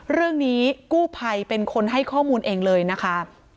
เรื่องนี้กู้ภัยเป็นคนให้ข้อมูลเองเลยนะคะ